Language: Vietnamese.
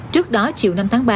trước đó chiều năm tháng ba